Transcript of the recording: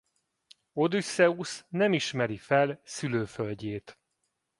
Odüsszeusz nem ismeri fel szülőföldjét.